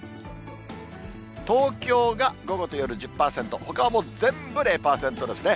東京が午後と夜１０％、ほかはもう全部０％ですね。